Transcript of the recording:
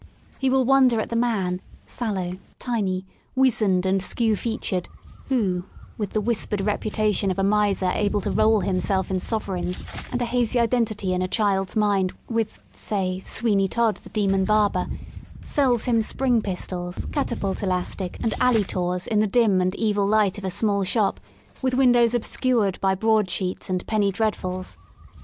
He will wonder at the man, sallow, tiny, wizened and skew featured, whoj with the whispered reputation of a miser able to roll him self in sovereigns, and a hazy identity in a child's mind with, say, Sweeny Todd the Demon Barber, sells him spring pistols, catapult elastic and alley taws in the dim and evil light of a small shop with windows obscured by broad sheets and penny dreadfuls.